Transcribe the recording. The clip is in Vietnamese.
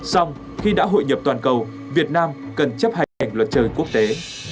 xong khi đã hội nhập toàn cầu việt nam cần chấp hành luật chơi quốc tế